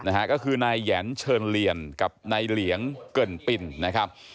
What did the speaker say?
นะฮะก็คือนายแหยนเชิญเหลี่ยนกับนายเหลียงเกินปินนะครับ